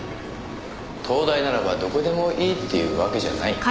東大ならばどこでもいいっていうわけじゃない。